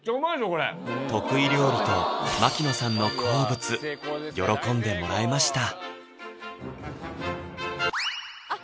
これ得意料理と槙野さんの好物喜んでもらえましたあっ